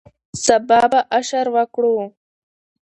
سبا به اشر وکړو